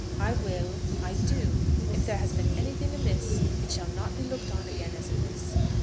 "I will. I do. If there has been anything amiss, it shall not be looked on again as amiss.